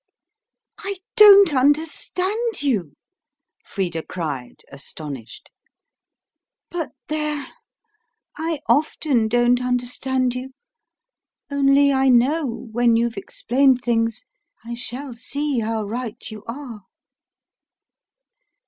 "I don't understand you," Frida cried, astonished. "But there! I often don't understand you; only I know, when you've explained things, I shall see how right you are."